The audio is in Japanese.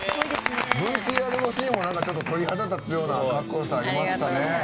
ＶＴＲのシーンもちょっと鳥肌立つようなかっこよさありましたね。